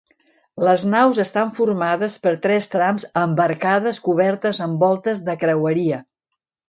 Les naus estan formades per tres trams amb arcades cobertes amb voltes de creueria.